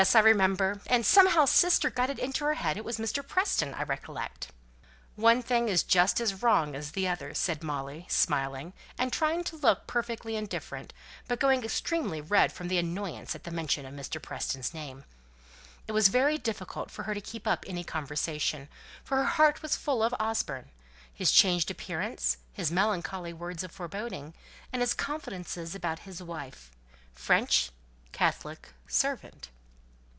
I remember. And somehow sister got it into her head it was Mr. Preston. I recollect." "One guess is just as wrong as the other," said Molly, smiling, and trying to look perfectly indifferent, but going extremely red at the mention of Mr. Preston's name. It was very difficult for her to keep up any conversation, for her heart was full of Osborne his changed appearance, his melancholy words of foreboding, and his confidences about his wife French, Catholic, servant.